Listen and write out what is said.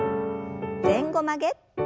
前後曲げ。